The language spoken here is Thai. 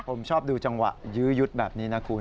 ผมชอบดูจังหวะยื้อยุดแบบนี้นะคุณ